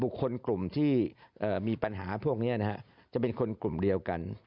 คนกลุ่มที่มีปัญหาพวกนี้จะเป็นคนกลุ่มเดียวกัน